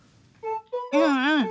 うんうん。